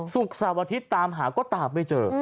ศุกร์สัปดาห์อาทิตย์ตามหาก็ตามไปเจอ